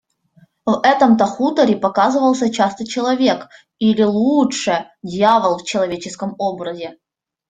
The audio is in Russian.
В этом-то хуторе показывался часто человек, или, лучше, дьявол в человеческом образе.